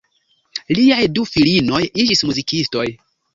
Liaj du filinoj iĝis muzikistoj.